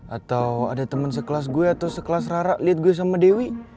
atau ada teman sekelas gue atau sekelas rara lihat gue sama dewi